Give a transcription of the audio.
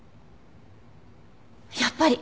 やっぱり！